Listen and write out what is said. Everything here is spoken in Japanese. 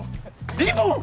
リボン！？